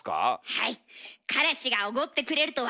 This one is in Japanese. はい。